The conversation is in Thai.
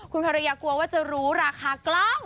คุณภรรยากลัวว่าจะรู้ราคากล้อง